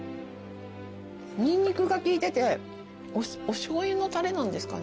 ニンニクが効いてておしょうゆのたれなんですかね？